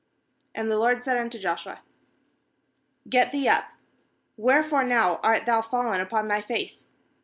10And the LORD 'said unto Joshua: 'Get thee up; wherefore, now, artthou fallen upon thy face?